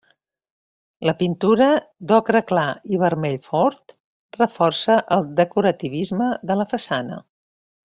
La pintura, d'ocre clar i vermell fort, reforça el decorativisme de la façana.